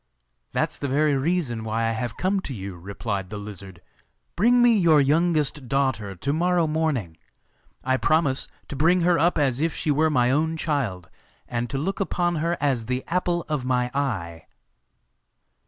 'That's the very reason why I have come to you,' replied the lizard. 'Bring me your youngest daughter to morrow morning. I promise to bring her up as if she were my own child, and to look upon her as the apple of my eye.